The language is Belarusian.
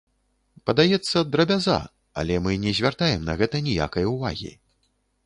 Падаецца, драбяза, але мы не звяртаем на гэта ніякай увагі.